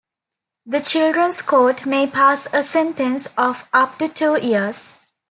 The Children's Court may pass a sentence of up to two years.